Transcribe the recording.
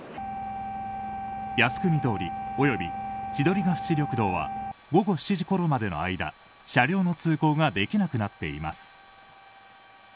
靖国通りおよび千鳥ケ淵緑道は午後７時ごろまでの間車両の通行ができなくなっています。